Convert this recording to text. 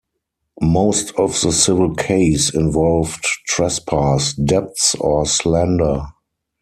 Most of the civil case involved trespass, debts or slander.